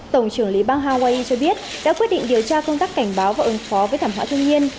tổng trưởng lý bang hawaii cho biết đã quyết định điều tra công tác cảnh báo và ứng phó với thảm họa thiên nhiên